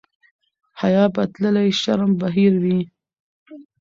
حیا به تللې شرم به هېر وي.